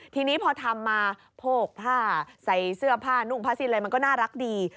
ทีนี้พอทำมาโพกผ้าใส่เสื้อผ้านุ่งผ้าสิ้นอะไรมันก็น่ารักดี